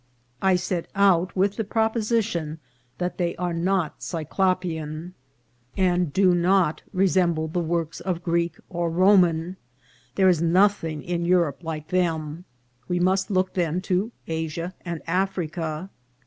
I set out with the proposition that they are not Cyclo 438 INCIDENTS OF TRATEL. pean, and do not resemble the works of Greek or Ro man ; there is nothing in Europe like them. We must look, then, to Asia and Africa.